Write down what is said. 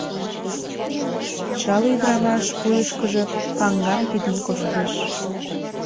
Чал ӱдырамаш вуйышкыжо паҥгам пидын коштеш.